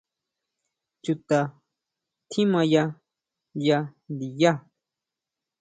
¿Chuta tjimaya ya ndiyá?